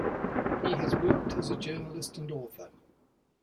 He has worked as a journalist and author.